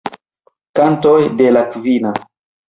Kontoj de la Kvina.